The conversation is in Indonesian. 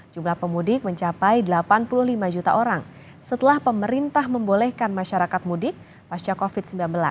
jumlah pemudik mencapai delapan puluh lima juta orang setelah pemerintah membolehkan masyarakat mudik pasca covid sembilan belas